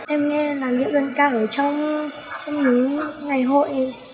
em nghe làn điệu dân ca ở trong những ngày hội